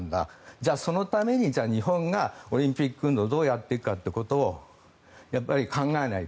じゃあ、そのために日本がオリンピック運動をどのようにやっていくかということをやっぱり考えないと。